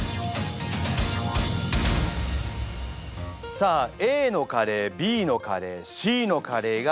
さあＡのカレーＢのカレーＣのカレーがあります。